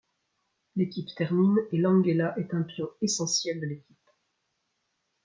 L'équipe termine et Langella est un pion essentiel de l'équipe.